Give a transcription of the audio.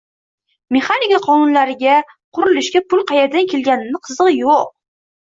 Mexanika qonunlariga qurilishga pul qayerdan kelganini qizigʻi yoʻq.